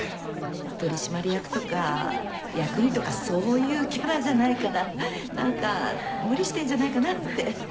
取締役とか役員とかそういうキャラじゃないから何か無理してんじゃないかなって。